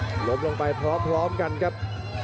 อันนี้พยายามจะเน้นข้างซ้ายนะครับ